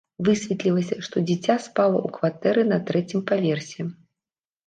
Высветлілася, што дзіця спала ў кватэры на трэцім паверсе.